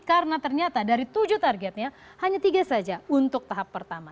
karena ternyata dari tujuh targetnya hanya tiga saja untuk tahap pertama